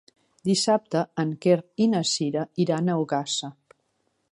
Dissabte en Quer i na Sira iran a Ogassa.